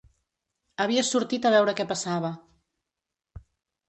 Havia sortit a veure què passava